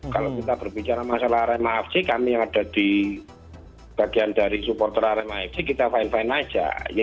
kalau kita berbicara masalah arema fc kami yang ada di bagian dari supporter arema fc kita fine fine aja